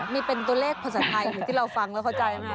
มีเป็นตัวเลขภาษาไทยอย่างที่เราฟังแล้วเข้าใจไหม